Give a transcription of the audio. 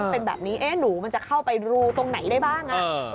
เป็นแบบนี้หนูมันจะเข้าไปรูตรงไหนได้บ้าง